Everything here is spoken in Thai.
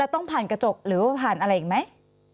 ต้องผ่านกระจกหรือว่าผ่านอะไรอีกไหม